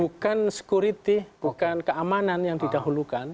bukan security bukan keamanan yang didahulukan